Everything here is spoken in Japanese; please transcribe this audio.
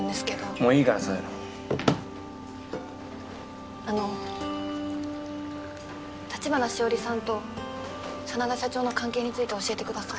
もういいからそういうのあの橘しおりさんと真田社長の関係について教えてください